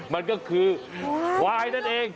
มันก็คือควายนั่นเอง